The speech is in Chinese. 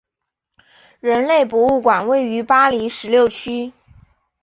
人类博物馆位于巴黎十六区。